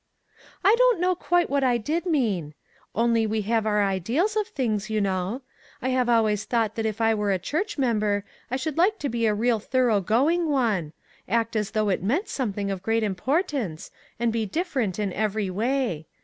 "I don't know quite what I did mean. Only we have our ideals of things, you know. I have always thought that if I were a church member I should like to be a real STEP BY STEP. 5 1 thorough going one ; act as though it meant something of great importance, and be dif ferent in every way.